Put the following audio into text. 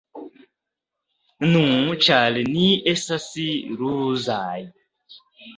Nu, ĉar ni estas ruzaj.